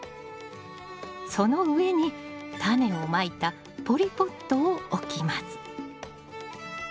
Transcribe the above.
その上にタネをまいたポリポットを置きます。